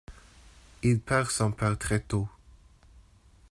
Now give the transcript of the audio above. Il perd son père très tôt.